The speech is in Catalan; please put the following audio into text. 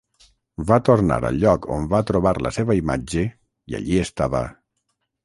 Va tornar al lloc on va trobar la seva imatge i allí estava.